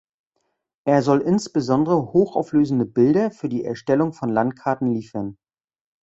Er soll insbesondere hochauflösende Bilder für die Erstellung von Landkarten liefern.